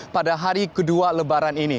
pada hari kedua lebaran ini